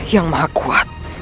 yang maha menghutuk jujur